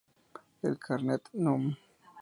El carnet Núm.